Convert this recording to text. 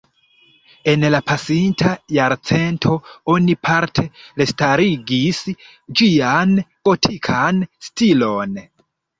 En la pasinta jarcento oni parte restarigis ĝian gotikan stilon.